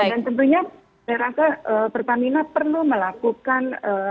dan tentunya saya rasa pertamina perlu melakukan